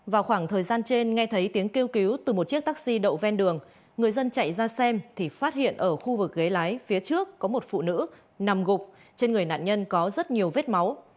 vào khoảng thời gian trên nghe thấy tiếng kêu cứu từ một chiếc taxi đậu ven đường người dân chạy ra xem thì phát hiện ở khu vực ghế lái phía trước có một phụ nữ nằm gục trên người nạn nhân có rất nhiều vết máu